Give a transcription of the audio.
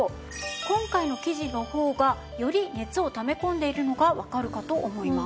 今回の生地の方がより熱をため込んでいるのがわかるかと思います。